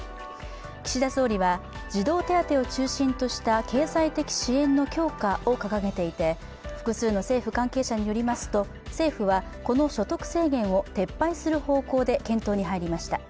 岸田総理は児童手当を中心とした経済的支援の強化を掲げていて、複数の政府関係者によりますと政府はこの所得制限を撤廃する方向で検討に入りました。